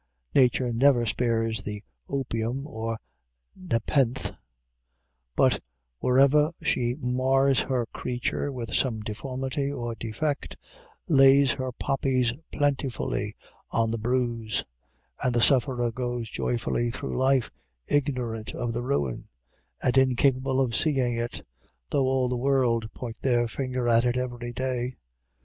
Nature never spares the opium or nepenthe; but, wherever she mars her creature with some deformity or defect, lays her poppies plentifully on the bruise, and the sufferer goes joyfully through life, ignorant of the ruin, and incapable of seeing it, though all the world point their finger at it every day.